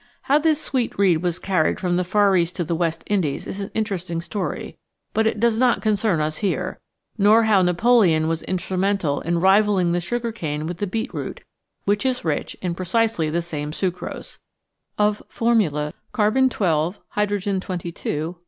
How this sweet reed was carried from the Far East to the West Indies is an interesting story, but it does not concern us here, nor how Napoleon was instrumental in rivalling the sugar cane with the beet root, which is rich in precisely the same sucrose (Ci2 Hza Oi